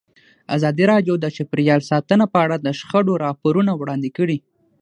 ازادي راډیو د چاپیریال ساتنه په اړه د شخړو راپورونه وړاندې کړي.